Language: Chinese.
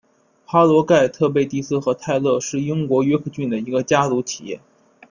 哈罗盖特贝蒂斯和泰勒是英国约克郡的一个家族企业。